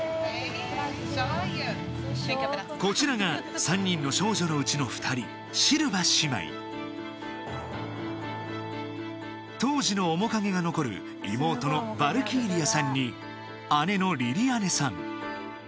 こちらが３人の少女のうちの２人シルバ姉妹当時の面影が残る妹のヴァルキーリアさんに姉のリリアネさん